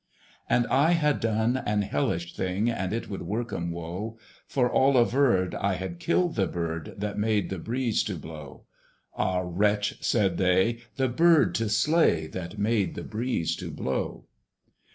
And I had done an hellish thing, And it would work 'em woe: For all averred, I had killed the bird That made the breeze to blow. Ah wretch! said they, the bird to slay That made the breeze to blow!